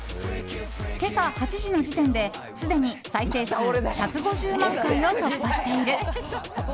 今朝８時の時点で、すでに再生回数１５０万回を突破している。